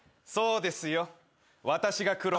そうですよ。